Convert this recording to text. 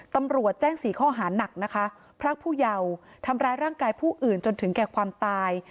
ตำรวจแจ้ง๔ข้อหานักนะคะพรากผู้เยาว์ทำร้ายร่างกายผู้อื่นจนถึงแก่ความตาย